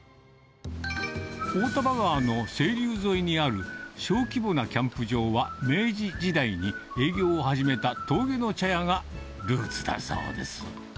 大丹波川の清流沿いにある小規模なキャンプ場は、明治時代に営業を始めた峠の茶屋がルーツだそうです。